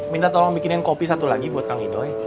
minta tolong bikinin kopi satu lagi buat kang indoy